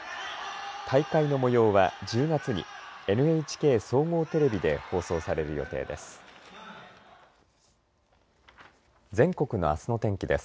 大会の模様は１０月にＮＨＫ総合テレビで放送される予定です。